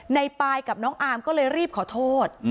ในปายกับน้องอาร์มก็เลยรีบขอโทษ